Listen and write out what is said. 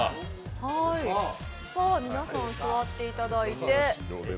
皆さん、座っていただいて。